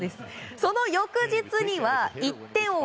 その翌日には１点を追う